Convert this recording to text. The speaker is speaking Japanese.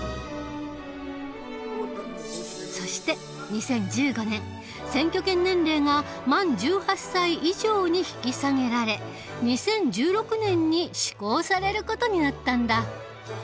そして２０１５年選挙権年齢が満１８歳以上に引き下げられ２０１６年に施行される事になったんだ。